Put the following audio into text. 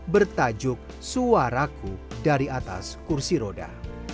bertajuk suaraku dari atas kursi roda